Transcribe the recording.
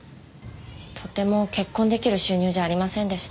とても結婚できる収入じゃありませんでした。